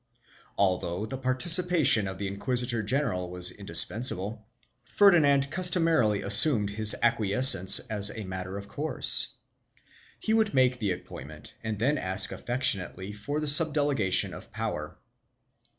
2 Although the participation of the inquisitor general was indispensable, Ferdinand customarily assumed his acquiescence as a matter of course; he would make the appointment and then ask affectionately for the subdelega tion of power.